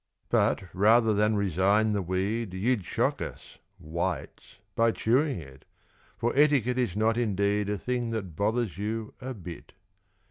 But, rather than resign the weed, You'd shock us, whites, by chewing it; For etiquette is not indeed A thing that bothers you a bit.